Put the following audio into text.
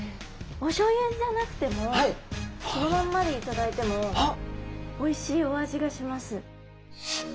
おしょうゆじゃなくてもそのまんまでいただいてもおいしいお味がします。